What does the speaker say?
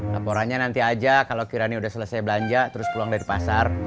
laporannya nanti aja kalau kirani udah selesai belanja terus pulang dari pasar